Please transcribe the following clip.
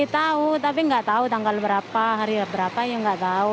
tidak tapi tidak tahu tanggal berapa hari berapa ya tidak tahu